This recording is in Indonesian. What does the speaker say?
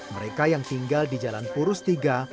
mereka yang tinggal di jalan purus iii